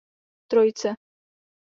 Trojice.